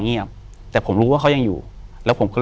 อยู่ที่แม่ศรีวิรัยยิวยวลครับ